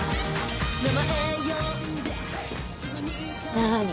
何？